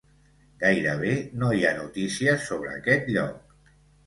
Gairebé no hi ha notícies sobre aquest lloc.